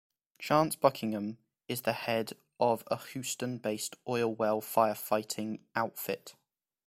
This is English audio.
Chance Buckman is the head of a Houston-based oil well firefighting outfit.